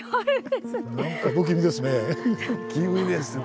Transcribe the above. なんか不気味ですね。